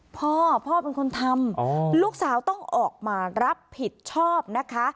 พ่อพ่อเป็นคนทำลูกสาวต้องออกมารับผิดชอบนะคะ